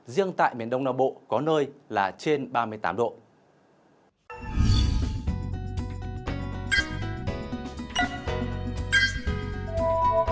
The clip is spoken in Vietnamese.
riêng tại miền đông nam bộ có nơi là trên ba mươi tám độ